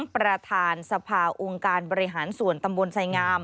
ประธานสภาองค์การบริหารส่วนตำบลไสงาม